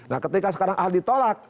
nah ketika sekarang ahli tolak